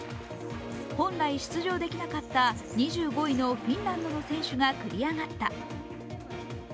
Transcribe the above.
本来出場できなかった２５位のフィンランドの選手が繰り上がった。